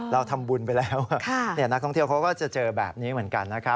เราทำบุญไปแล้วนักท่องเที่ยวเขาก็จะเจอแบบนี้เหมือนกันนะครับ